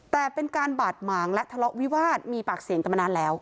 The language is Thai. แต่เป็นการบาดหมางและทะเลาะวิวาสมีปากเสียงกันมานานแล้ว